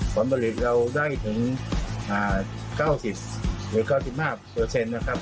ผลผลิตเราได้ถึง๙๐หรือ๙๕นะครับ